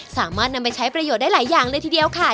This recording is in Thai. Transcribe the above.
สามารถนำไปใช้ประโยชน์ได้หลายอย่างเลยทีเดียวค่ะ